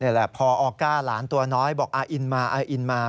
แหละพอออก้าหลานตัวน้อยบอกอาอินมาอาอินมา